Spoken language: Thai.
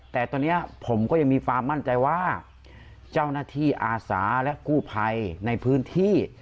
แต่ตอนนี้ผมก็ยังมีความมั่นใจว่าเจ้าหน้าที่อาสาและกู้ภัยในพื้นที่